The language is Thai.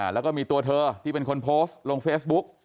แล้วก็มีตัวเธอที่เป็นคนโพสต์ลงเฟซบุ๊ก